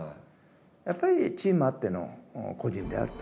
やっぱりチームあっての個人であると。